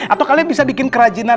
atau kalian bisa bikin kerajinan